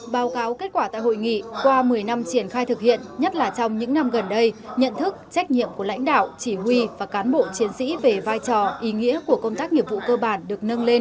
báo cáo kết quả tại hội nghị qua một mươi năm triển khai thực hiện nhất là trong những năm gần đây nhận thức trách nhiệm của lãnh đạo chỉ huy và cán bộ chiến sĩ về vai trò ý nghĩa của công tác nghiệp vụ cơ bản được nâng lên